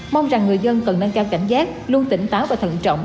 mong rằng người dân cần nâng cao cảnh giác luôn tỉnh táo và thận trọng